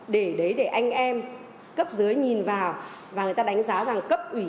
để đấy để anh em cấp dưới nhìn vào và người ta đánh giá rằng cấp ủy